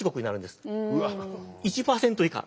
１％以下。